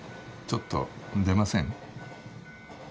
ちょっと出ません？